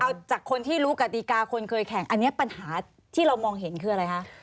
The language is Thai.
เอาจากคนที่รู้กติกาคนเคยแข่งอันนี้ปัญหาที่เรามองเห็นคืออะไรคะ